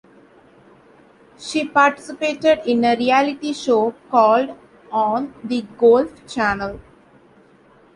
She participated in a reality show called on the Golf Channel.